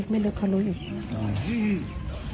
ไม่ลึกเขารู้อยู่